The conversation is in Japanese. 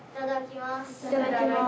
いただきます。